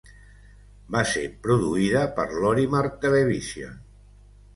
Va ser produïda per Lorimar Television.